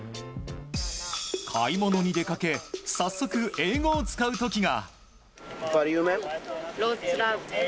買い物に出かけ早速、英語を使う時が。